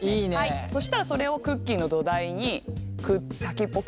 そしたらそれをクッキーの土台に先っぽくっつけて。